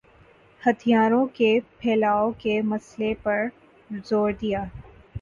ہتھیاروں کے پھیلاؤ کے مسئلے پر زور دیا